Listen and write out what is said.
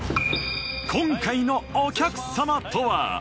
今回のお客様とは。